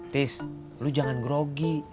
tis lu jangan grogi